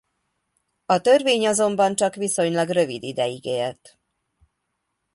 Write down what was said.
A törvény azonban csak viszonylag rövid ideig élt.